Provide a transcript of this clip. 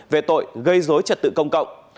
về tội gây dối trật tự công cộng